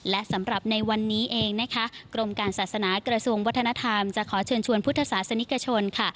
และสำหรับในวันนี้เองนะคะกรมการศาสนากระทรวงวัฒนธรรมจะขอเชิญชวนพุทธศาสนิกชนค่ะ